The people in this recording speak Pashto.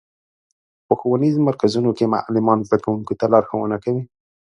په ښوونیزو مرکزونو کې معلمان زدهکوونکو ته لارښوونه کوي.